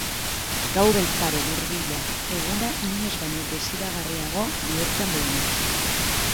Gau beltzaren hurbilak eguna inoiz baino desiragarriago bihurtzen duenean.